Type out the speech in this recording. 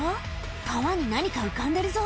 川に何か浮かんでるぞ。